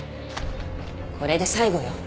これで最後よ。